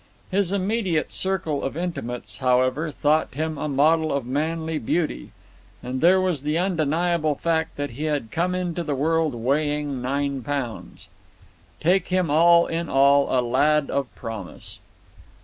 His immediate circle of intimates, however, thought him a model of manly beauty; and there was the undeniable fact that he had come into the world weighing nine pounds. Take him for all in all, a lad of promise.